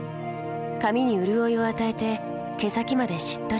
髪にうるおいを与えて毛先までしっとり。